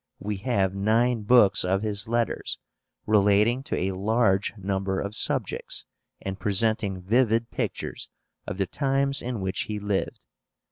We have nine books of his letters, relating to a large number of subjects, and presenting vivid pictures of the times in which he lived.